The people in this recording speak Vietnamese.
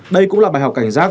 đây cũng là bài học cảnh giác